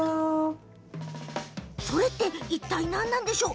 それっていったい何なんでしょう？